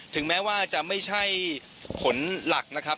ถึงแม้ว่าจะไม่ใช่ผลหลักนะครับ